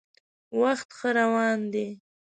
وخت ښه روان دی.